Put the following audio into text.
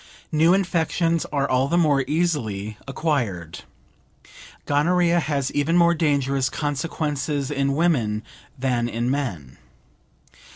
New infections are all the more easily acquired. Gonorrhea has even more dangerous consequences in women than in men.